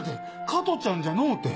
加トちゃんじゃのうて。